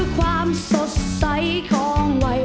สวัสดีค่ะ